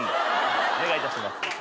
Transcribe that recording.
お願いいたします。